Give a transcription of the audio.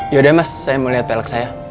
yaudah mas saya mau liat velg saya